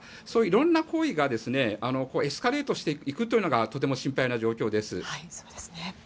そういう色んな行為がエスカレートしていくというのがとても心配な状況です。